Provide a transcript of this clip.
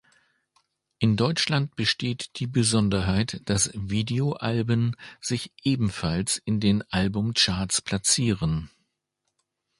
In Deutschland besteht die Besonderheit, dass Videoalben sich ebenfalls in den Albumcharts platzieren.